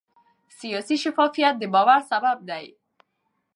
سیاسي شفافیت د باور سبب دی